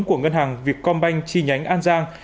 của ngân hàng việt công banh chi nhánh an giang